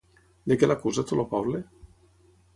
De què l'acusa tot el poble?